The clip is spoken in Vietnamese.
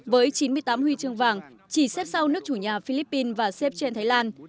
với chín mươi tám huy chương vàng chỉ xếp sau nước chủ nhà philippines và xếp trên thái lan